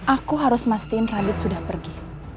aku harus mastiin radit sudah pergi